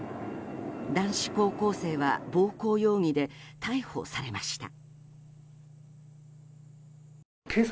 男子高校生は暴行容疑で逮捕されました。